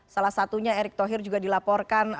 salah satunya erick thohir juga dilaporkan